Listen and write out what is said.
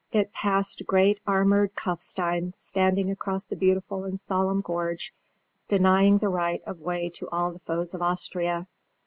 It passed great armoured Kuffstein standing across the beautiful and solemn gorge, denying the right of way to all the foes of Austria.